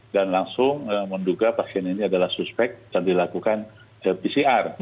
dan langsung menduga pasien ini adalah suspek dan dilakukan pcr